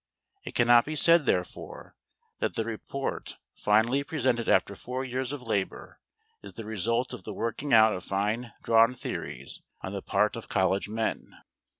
It cannot be said, therefore, that the report finally presented after four years of labor is the result of the working out of fine drawn theories on the part of college men.